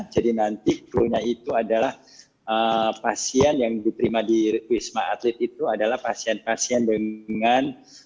jadi nanti klunya itu adalah pasien yang diterima di wisma atlet itu adalah pasien pasien dengan